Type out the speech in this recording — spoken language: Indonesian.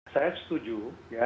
saya setuju ya